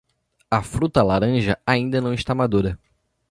A fruta laranja ainda não está madura.